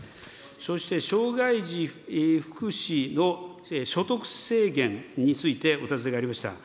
そして障害児福祉の所得制限についてお尋ねがありました。